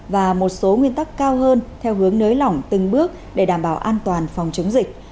và một số nguyên tắc cao hơn theo hướng nới lỏng từng bước để đảm bảo an toàn phòng chống dịch